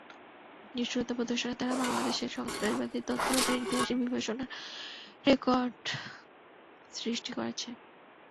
নিষ্ঠুরতা প্রদর্শনে তারা বাংলাদেশের সন্ত্রাসবাদী তৎপরতার ইতিহাসে বীভৎসতার রেকর্ড সৃষ্টি করেছে।